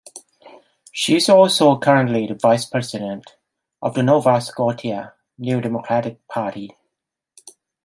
She is also currently the Vice President of the Nova Scotia New Democratic Party.